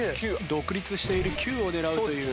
独立している９を狙うという。